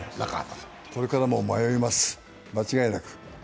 これからも迷います、間違いなく。